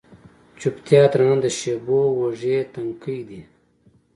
چوپتیا درنه ده د شېبو اوږې، تنکۍ دی